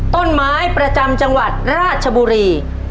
ต้นไม้ประจำจังหวัดราชบุรี